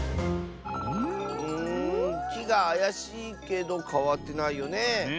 んきがあやしいけどかわってないよねえ。